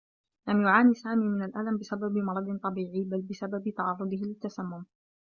لم يعاني سامي من الألم بسبب مرض طبيعي بل بسبب تعرّضه للتّسمّم.